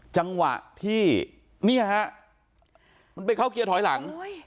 จังหวะที่มันไปเข้าเกียร์ถอยหลัง